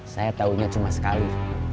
saya taunya cuma sekali